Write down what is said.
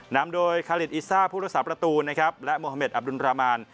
นำโดยพุทธศาสตร์ประตูนะครับและอับดุลรามาร